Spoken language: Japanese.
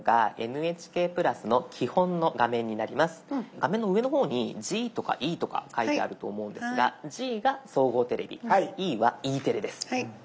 画面の上の方にＧとかＥとか書いてあると思うんですがＧが総合テレビＥはＥテレです。